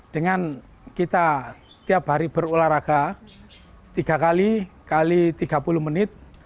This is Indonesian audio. dengan kita tiap hari berolahraga tiga kali kali tiga puluh menit